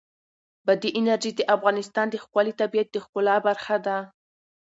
بادي انرژي د افغانستان د ښکلي طبیعت د ښکلا برخه ده.